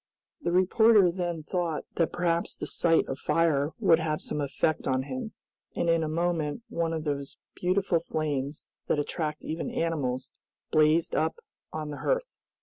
The reporter then thought that perhaps the sight of fire would have some effect on him, and in a moment one of those beautiful flames, that attract even animals, blazed up on the hearth.